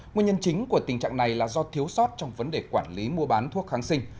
nguyên nhân chính của tình trạng này là do thiếu sót trong vấn đề quản lý mua bán thuốc kháng sinh